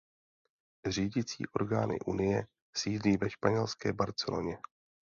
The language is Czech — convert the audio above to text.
Řídící orgány unie sídlí ve španělské Barceloně.